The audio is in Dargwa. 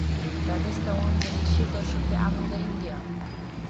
Дагъиста ванзаличир даршути гӀямру даимдиаб!